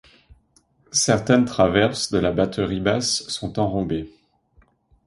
Certaines traverses de la batterie basse sont enrobées.